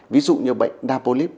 ví dụ như bệnh đa pô líp